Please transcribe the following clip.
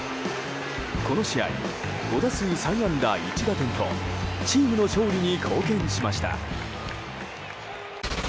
この試合５打数３安打１打点とチームの勝利に貢献しました。